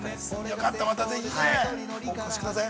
◆よかった、またぜひお越しください。